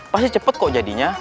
pasti cepet kok jadinya